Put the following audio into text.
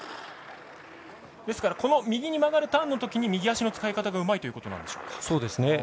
ですから、右に曲がるターンのときに右足の使い方がうまいということですね。